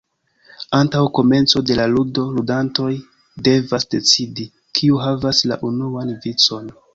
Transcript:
Antaŭ komenco de la ludo, ludantoj devas decidi, kiu havas la unuan vicon.